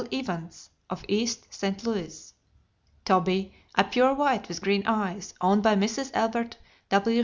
Evans, of East St. Louis; Toby, a pure white with green eyes, owned by Mrs. Elbert W.